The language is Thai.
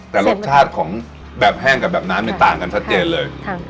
แต่รสชาติของแบบแห้งกับแบบน้ำเนี่ยต่างกันชัดเจนเลย